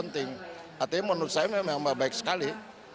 artinya menurut saya memang baik sekali